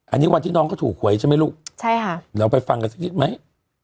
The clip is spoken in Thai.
อันนี้วันที่น้องเขาถูกหวยใช่ไหมลูกใช่ค่ะเราไปฟังกันสักนิดไหม